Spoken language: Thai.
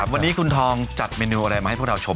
วันนี้คุณทองจัดเมนูอะไรมาให้พวกเราชม